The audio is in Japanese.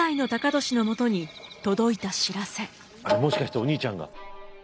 もしかしてお兄ちゃんが。